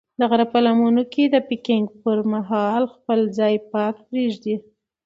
د غره په لمنو کې د پکنیک پر مهال خپل ځای پاک پرېږدئ.